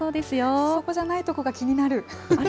そこじゃないとこが気になる。